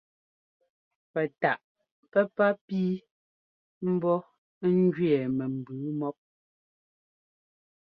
Pɛ taʼ pɛ́pá pii mbɔ́ ɛ́njʉɛ mɛ mbʉʉ mɔ́p.